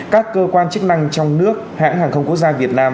các cơ quan chức năng trong nước hãng hàng không quốc gia việt nam